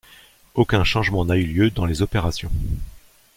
Aucun changement n'a eu lieu dans les opérations.